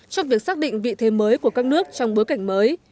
trong việc xác định vị thế mới của các nước trong bối cảnh mới